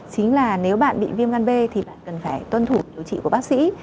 chính là nếu bạn bị viêm gan b thì bạn cần phải tuân thủ điều trị của bác sĩ